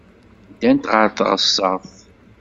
Ddant ɣer teɣsert.